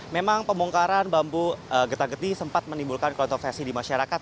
memang pembongkaran bambu getah geti sempat menimbulkan kontroversi di masyarakat